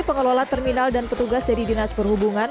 pengelola terminal dan petugas dari dinas perhubungan